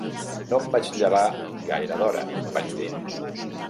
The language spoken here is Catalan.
"No em vaig llevar gaire d'hora", vaig dir.